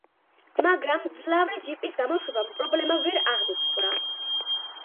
მაგრამ მძლავრი ჯიპის გამოშვებამ პრობლემა ვერ აღმოფხვრა.